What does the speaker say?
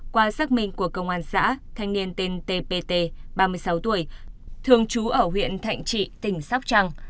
qua xác minh của công an xã thanh niên tên tt ba mươi sáu tuổi thường trú ở huyện thạnh trị tỉnh sóc trăng